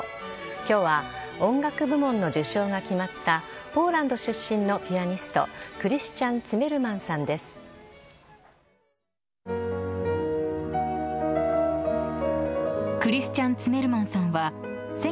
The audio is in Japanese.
今日は音楽部門の受賞が決まったポーランド出身のピアニストクリスチャン・ツィメルマンさんです。